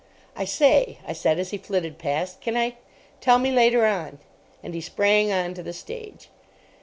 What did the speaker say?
"I say," I said, as he flitted past, "can I——" "Tell me later on." And he sprang on to the stage.